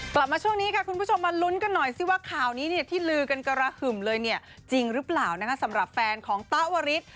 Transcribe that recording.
กลับมาช่วงนี้ค่ะคุณผู้ชมมาลุ้นกันหน่อยสิว่าข่าวนี้เนี่ยที่ลือกันกระหึ่มเลยเนี่ยจริงหรือเปล่านะคะสำหรับแฟนของตะวริส